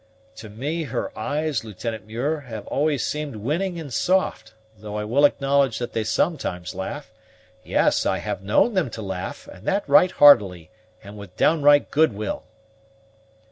"To me her eyes, Lieutenant Muir, have always seemed winning and soft, though I will acknowledge that they sometimes laugh; yes, I have known them to laugh, and that right heartily, and with downright goodwill."